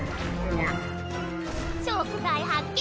食材発見。